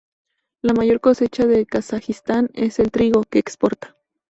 La mayor cosecha de Kazajistán es de trigo, que exporta.